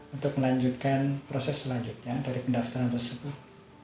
untuk melanjutkan proses selanjutnya dari pendaftaran tersebut